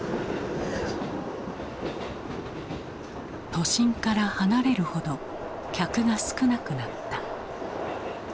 都心から離れるほど客が少なくなった。